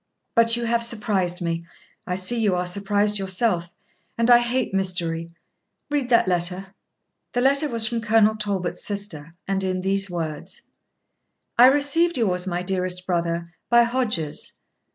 But you have surprised me, I see you are surprised yourself, and I hate mystery. Read that letter.' The letter was from Colonel Talbot's sister, and in these words: 'I received yours, my dearest brother, by Hodges.